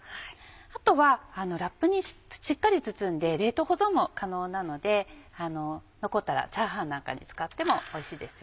あとはラップにしっかり包んで冷凍保存も可能なので残ったらチャーハンなんかに使ってもおいしいですよ。